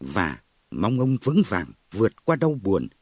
và mong ông vững vàng vượt qua đau buồn